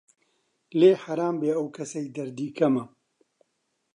لێی حەرام بێ ئەو کەسەی دەردی کەمە